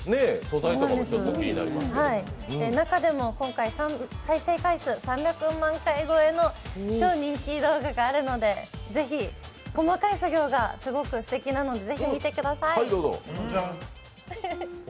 中でも、再生回数３００万回超えの超人気動画があるので、細かい作業がすごくすてきなので、ぜひ見てください。